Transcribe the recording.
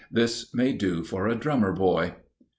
"This may do for a drummer boy."